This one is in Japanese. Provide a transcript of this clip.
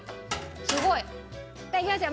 すごい！いきますよ。